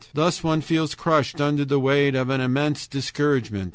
"Thus one feels crushed under the weight of an immense discouragement.